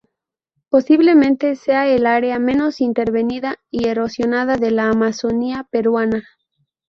Posiblemente sea el área menos intervenida y erosionada de la Amazonía peruana.